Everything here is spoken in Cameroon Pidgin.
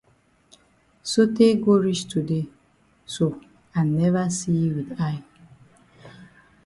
Sotay go reach today so I never see yi with eye.